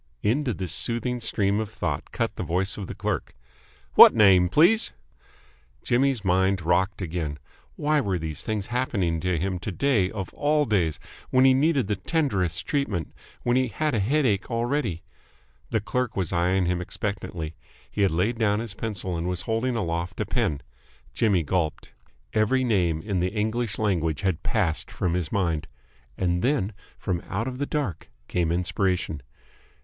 Into this soothing stream of thought cut the voice of the clerk. "What name, please?" Jimmy's mind rocked again. Why were these things happening to him to day of all days, when he needed the tenderest treatment, when he had a headache already? The clerk was eyeing him expectantly. He had laid down his pencil and was holding aloft a pen. Jimmy gulped. Every name in the English language had passed from his mind. And then from out of the dark came inspiration.